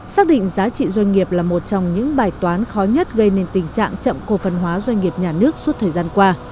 xác định giá trị doanh nghiệp là một trong những bài toán khó nhất gây nên tình trạng chậm cổ phân hóa doanh nghiệp nhà nước suốt thời gian qua